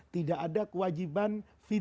tidak ada kewajiban fidyah